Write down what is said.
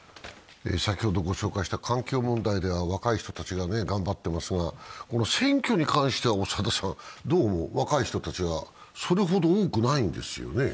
環境問題では若い人たちが頑張っていますが選挙に関しては、どうも若い人たちがそれほど多くないんですよね。